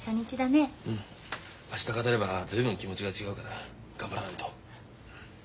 うん明日勝てれば随分気持ちが違うから頑張らないと。